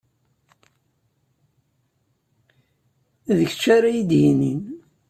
D kečč ara iyi-d-yinin.